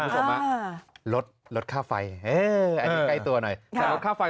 สามารถลดค่าไฟใกล้ตัวหน่อย